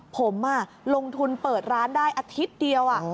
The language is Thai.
ผมลงทุนเปิดร้านได้อาทิตย์เดียว